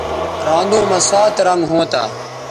رھاندو مہ سات رنگ ھونتہ